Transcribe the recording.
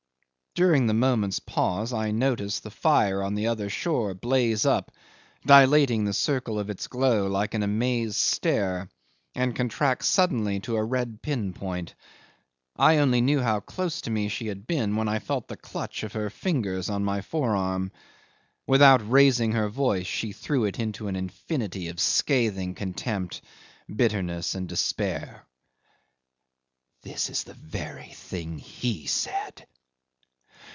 During the moment's pause I noticed the fire on the other shore blaze up, dilating the circle of its glow like an amazed stare, and contract suddenly to a red pin point. I only knew how close to me she had been when I felt the clutch of her fingers on my forearm. Without raising her voice, she threw into it an infinity of scathing contempt, bitterness, and despair. '"This is the very thing he said.